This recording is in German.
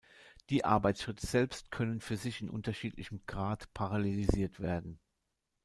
Die Arbeitsschritte selbst können für sich in unterschiedlichem Grad parallelisiert werden.